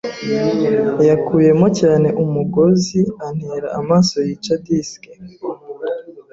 yakuyemo cyane umugozi antera amaso yica. Dick,